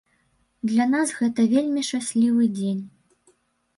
Для нас гэта вельмі шчаслівы дзень.